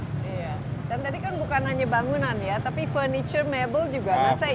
dan tadi kan bukan hanya bangunan ya tapi furniture mebel juga